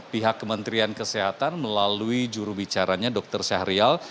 pihak kementerian kesehatan melalui jurubicaranya dr syahrial